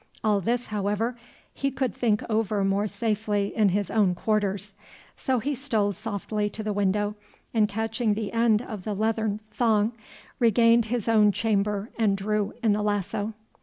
All this, however, he could think over more safely in his own quarters. So he stole softly to the window, and, catching the end of the leathern thong, regained his own chamber and drew in the lasso.